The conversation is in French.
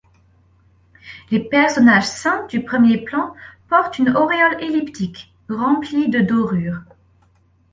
Les personnages saints du premier plan portent une auréole elliptique, remplie de dorure.